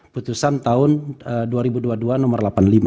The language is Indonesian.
putusan tahun dua ribu dua puluh dua nomor delapan puluh lima